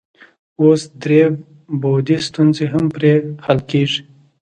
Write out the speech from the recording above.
اوس درې بعدي ستونزې هم پرې حل کیږي.